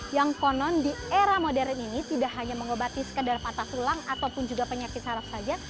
yang konon di era modern ini tidak hanya mengobati sekedar patah tulang ataupun juga penyakit saraf saja